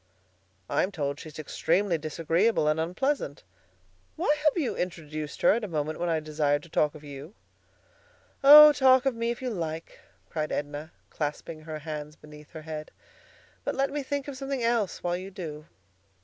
"I'm told she's extremely disagreeable and unpleasant. Why have you introduced her at a moment when I desired to talk of you?" "Oh! talk of me if you like," cried Edna, clasping her hands beneath her head; "but let me think of something else while you do."